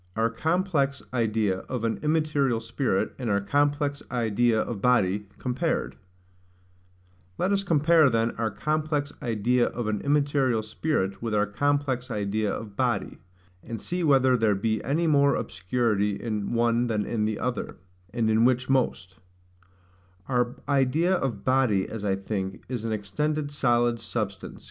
Our complex idea of an immaterial Spirit and our complex idea of Body compared. Let us compare, then, our complex idea of an immaterial spirit with our complex idea of body, and see whether there be any more obscurity in one than in the other, and in which most.